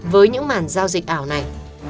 với những màn giao dịch ảo này